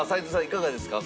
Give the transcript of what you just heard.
いかがですか？